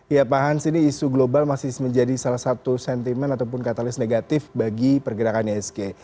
ya pak hans ini isu global masih menjadi salah satu sentimen ataupun katalis negatif bagi pergerakan isg